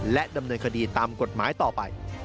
และดำเนินคดีตามกฎหมายต่อไป